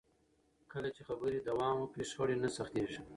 کله چې خبرې دوام وکړي، شخړې نه سختېږي.